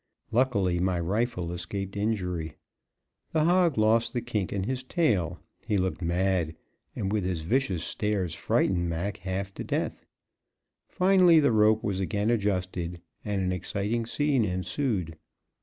Luckily my rifle escaped injury. The hog lost the kink in his tail; he looked mad, and with his vicious stares, frightened Mac half to death. Finally the rope was again adjusted, and an exciting scene ensued.